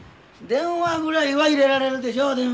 電話ぐらいは入れられるでしょう